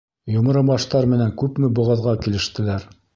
Йомро баштар менән күпме боғаҙға килештеләр.